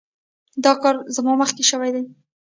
دا کار زما مخکې شوی دی.